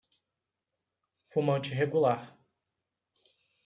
Fumante regular